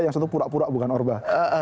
yang satu pura pura bukan orba